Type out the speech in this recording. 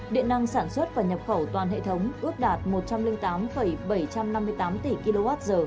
điện năng sản xuất và nhập khẩu toàn hệ thống ước đạt một trăm linh tám bảy trăm năm mươi tám tỷ kwh